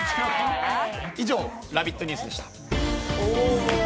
以上、「ラヴィット！ニュース」でした。